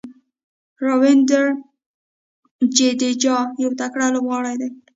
راوېندر جډیجا یو تکړه لوبغاړی دئ.